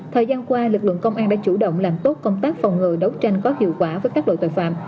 thời gian qua lực lượng công an đã chủ động làm tốt công tác phòng ngừa đấu tranh có hiệu quả với các loại tội phạm